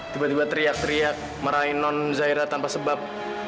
tiba tiba teriak teriak meraih non zaira tanpa sebab